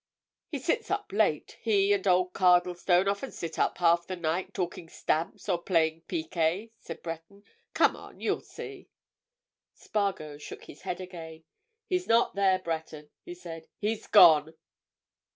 He sits up late—he and old Cardlestone often sit up half the night, talking stamps or playing piquet," said Breton. "Come on—you'll see!" Spargo shook his head again. "He's not there, Breton," he said. "He's gone!"